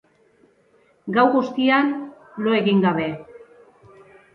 Gau guztian lo egin gabe.